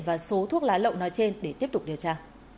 và số thuốc lá lậu nói trên để tiếp tục điều tra